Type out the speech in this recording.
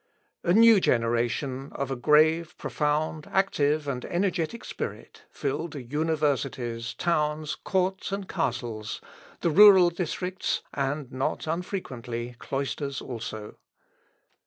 A new generation, of a grave, profound, active, and energetic spirit, filled the universities, towns, courts, and castles, the rural districts, and not unfrequently cloisters also.